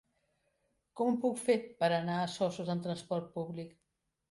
Com ho puc fer per anar a Soses amb trasport públic?